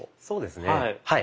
そうですね。